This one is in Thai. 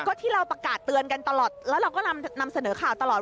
ก็ที่เราประกาศเตือนกันตลอดแล้วเราก็นำเสนอข่าวตลอด